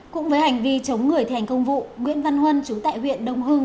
cũng với hành vi chống người thành công vụ nguyễn văn huân chú tại huyện đông hưng